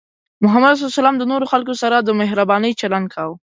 محمد صلى الله عليه وسلم د نورو خلکو سره د مهربانۍ چلند کاوه.